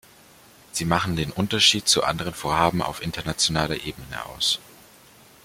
Sie machen den Unterschied zu anderen Vorhaben auf internationaler Ebene aus.